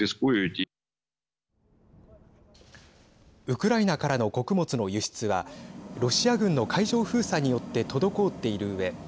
ウクライナからの穀物の輸出はロシア軍の海上封鎖によって滞っているうえ